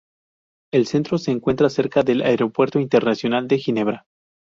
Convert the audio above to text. El centro se encuentra cerca del Aeropuerto Internacional de Ginebra.